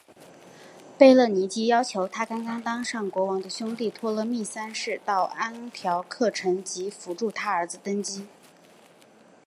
贝勒尼基要求她刚刚当上国王的兄弟托勒密三世到安条克城及扶助她儿子登基。